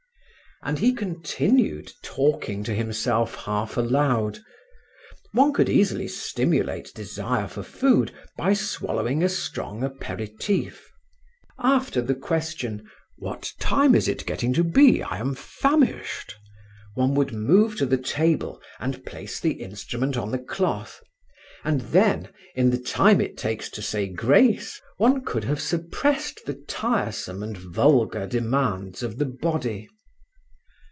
And he continued, talking to himself half aloud. One could easily stimulate desire for food by swallowing a strong aperitif. After the question, "what time is it getting to be? I am famished," one would move to the table and place the instrument on the cloth, and then, in the time it takes to say grace, one could have suppressed the tiresome and vulgar demands of the body.